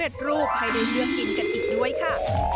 รูปให้ได้เลือกกินกันอีกด้วยค่ะ